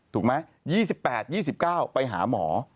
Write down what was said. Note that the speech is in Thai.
ถูกไหม๒๘๒๙ไปหาหมอ